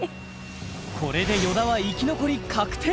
これで与田は生き残り確定！